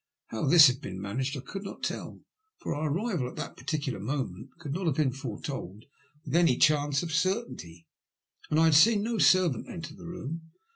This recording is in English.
How this had been managed I could not tell, for our arrival at that particular moment could not have been foretold with any chance of certainty, and I had seen no servant enter the room.